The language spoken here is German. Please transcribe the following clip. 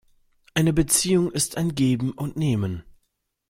Eine Beziehung ist ein Geben und Nehmen.